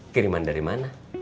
kiriman dari mana